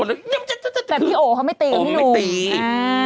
แต่พี่โอ๋เค้าไม่ตีกับพี่หนุ่ม